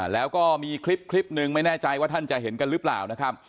แล้วก็มีคลิปหนึ่งไม่แน่ใจว่าท่านจะเห็นกันหรือเปล่านะครับ